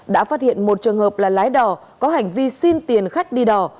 đã phát hiện một trường hợp là lái đò có hành vi xin tiền khách đi đò